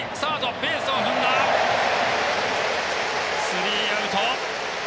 スリーアウト。